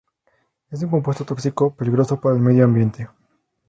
Es un compuesto tóxico, peligroso para el medio ambiente.